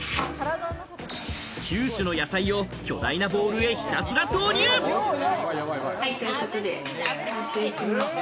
９種の野菜を巨大なボウルへひたすら投入。ということで完成しました。